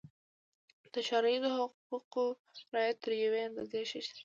د ښاریزو حقوقو رعایت تر یوې اندازې ښه شي.